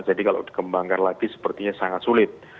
jadi kalau dikembangkan lagi sepertinya sangat sulit